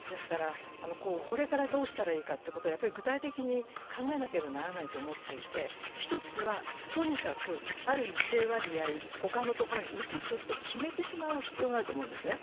これからどうしたらいいかということは具体的に考えなければならないと思っていて１つは、とにかくある一定割合、他の所に移すと決めてしまう必要があると思うんですね。